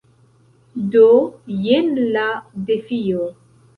Do jen la defio.